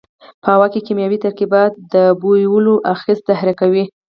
په هوا کې کیمیاوي ترکیبات د بویولو آخذې تحریکوي.